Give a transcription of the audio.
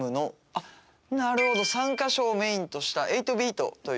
あっなるほど「３か所をメインとした８ビートという」